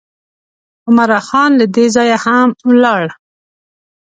عمرا خان له دې ځایه هم ولاړ.